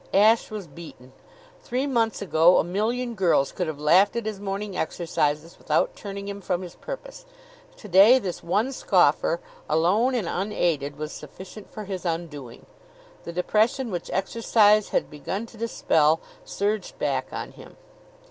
Ashe was beaten. Three months ago a million girls could have laughed at his morning exercises without turning him from his purpose. Today this one scoffer, alone and unaided, was sufficient for his undoing. The depression which exercise had begun to dispel surged back on him.